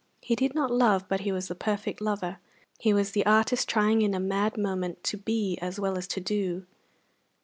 He did not love, but he was the perfect lover; he was the artist trying in a mad moment to be as well as to do.